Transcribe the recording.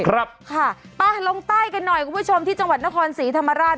ครับค่ะลงใต้กันหน่อยคุณผู้ชมที่จังหวัดนครศรีธรรมราช